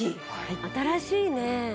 新しいね。